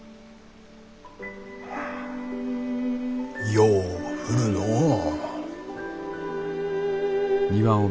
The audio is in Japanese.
・よう降るのう。